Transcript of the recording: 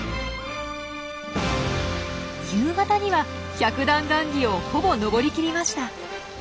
夕方には百段ガンギをほぼ登りきりました。